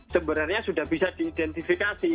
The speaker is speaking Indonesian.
sebenarnya sudah bisa diidentifikasi